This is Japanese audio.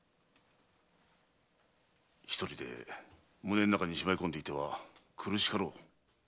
一人で胸の中にしまいこんでいては苦しかろう。